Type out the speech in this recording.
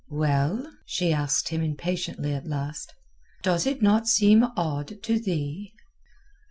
"Well?" she asked him impatiently at last. "Does it not seem odd to thee?"